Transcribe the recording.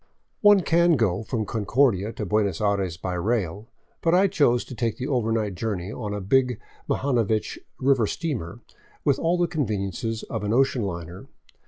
One can go on from Concordia to Buenos Aires by rail, but I chose to take the overnight journey on a big Mlhanovich river steamer, with all the conveniences of an ocean liner.